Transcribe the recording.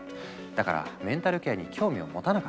だからメンタルケアに興味をもたなかった。